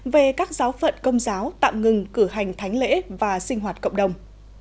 về các giáo phận công giáo tạm ngừng cử hành thánh lễ và sinh hoạt cộng đồng